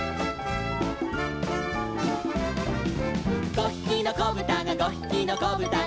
「５ひきのこぶたが５ひきのこぶたが」